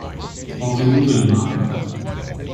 Ho veduto il mare.